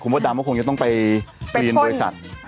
ดำก็คงจะต้องไปเรียนบริษัท